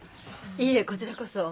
いいえこちらこそ。